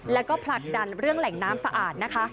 แล้วก็ผลักดันเรื่องแหล่งน้ำสะอาดนะคะ